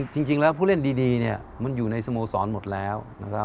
จริงแล้วผู้เล่นดีมันอยู่ในสโมสรหมดแล้วนะครับ